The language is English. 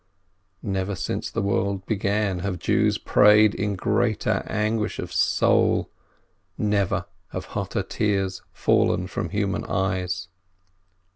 Never since the world began have Jews prayed in greater anguish of soul, never have hotter tears fallen from human eyes.